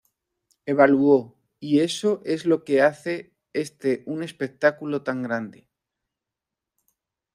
Evaluó "Y eso es lo que hace este un espectáculo tan grande.